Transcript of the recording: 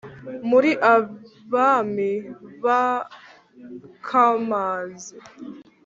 muri abami b’akamazi